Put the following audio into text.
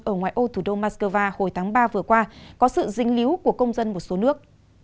ở ngoài ô thủ đô moscow hồi tháng ba vừa qua có sự dính líu của công dân một số nước